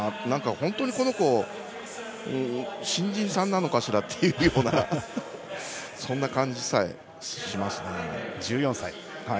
本当にこの子は新人さんなのかしら？というようなそんな感じさえしますね。